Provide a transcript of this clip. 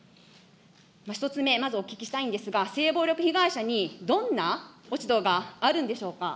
１つ目、まずお聞きしたいんですが、性暴力被害者にどんな落ち度があるんでしょうか。